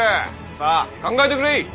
さぁ考えてくれ。